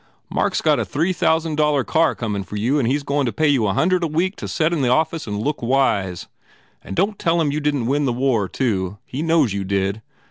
Mark s got a three thousand dollar car comin for you and he s goin to pay you a hundred a week to set in the office and look wise. And don t tell him you didn t win the war, too. He knows you did.